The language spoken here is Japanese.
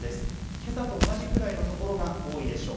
けさと同じくらいのところが多いでしょう。